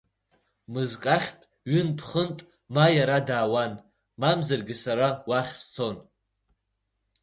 Мызкы ахьтә ҩынтә-хынтә ма иара даауан, мамзаргьы сара уахь сцон.